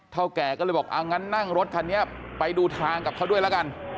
แก่ก็เลยบอกอ่างั้นนั่งรถคันนี้ไปดูทางกับเขาด้วยแล้วกัน